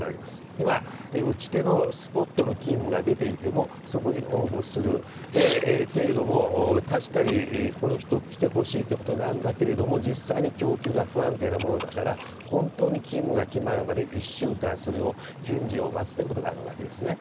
今、打ち手のスポットの勤務が出ていても、そこに応募するけれども、確かにこの人来てほしいっていうことなんだけれども、実際に供給が不安定なものだから、本当に勤務が決まるまで１週間、それを返事を待つということがあるわけですね。